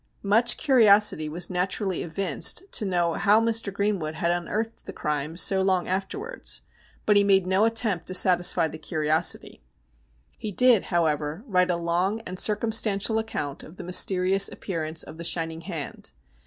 Much curiosity was naturally evinced to know how Mr. Greenwood had unearthed the crime so long afterwards, but he made no attempt to satisfy the curiosity. He did, how ever, write a long and circumstantial account of the mys terious appearance of the shining hand.